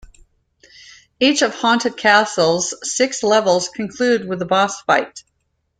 Each of "Haunted Castle"'s six levels conclude with a boss fight.